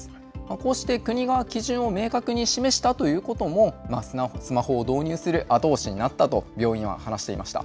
こうして国が基準を明確に示したということも、スマホを導入する後押しになったと病院は話していました。